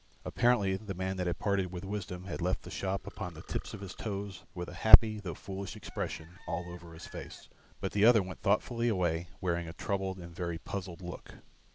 Apparently the man that had parted with wisdom had left the shop upon the tips of his toes with a happy though foolish expression all over his face, but the other went thoughtfully away wearing a troubled and very puzzled look.